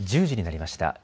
１０時になりました。